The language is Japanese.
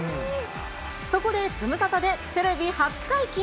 そこでズムサタでテレビ初解禁。